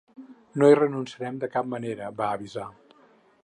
No hi renunciarem de cap manera, va avisar.